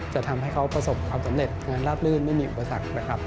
จะทำให้เขาประสบความสำเร็จงานราบลื่นไม่มีอุปสรรคนะครับ